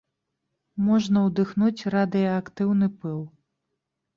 Можна удыхнуць радыеактыўны пыл.